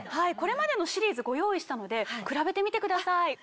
これまでのシリーズご用意したので比べてみてください。